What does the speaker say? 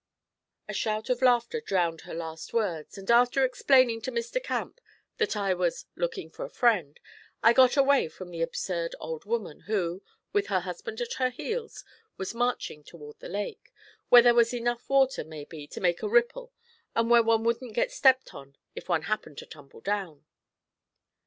A shout of laughter drowned her last words, and after explaining to Mr. Camp that I was 'looking for a friend,' I got away from the absurd old woman, who, with her husband at her heels, was marching toward the lake 'Where there was enough water, maybe, to make a ripple and where one wouldn't get stepped on if one happened to tumble down.'